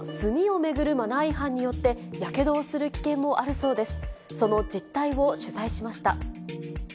バーベキューの炭を巡るマナー違反に、やけどをする危険もあるそうです。